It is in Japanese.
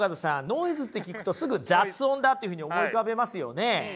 ノイズって聞くとすぐ雑音だというふうに思い浮かべますよね。